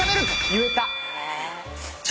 言えた。